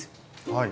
はい。